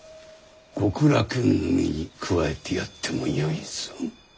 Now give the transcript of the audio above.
極楽組に加えてやってもよいぞ。